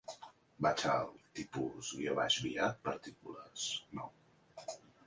Vaig al TIPUS_VIA PARTICULES NOM.